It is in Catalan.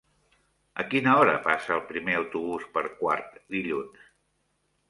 A quina hora passa el primer autobús per Quart dilluns?